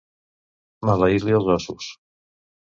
Maleir-li els ossos.